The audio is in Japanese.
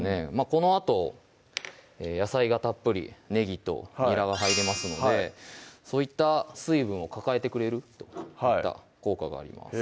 このあと野菜がたっぷりねぎとにらが入りますのでそういった水分を抱えてくれるといった効果があります